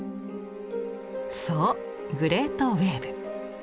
そうグレートウエーブ。